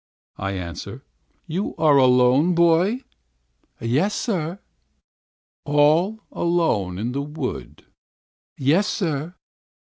I answer: "You are alone, my boy?" "Yes, sir." "All alone in the wood?" "Yes, sir."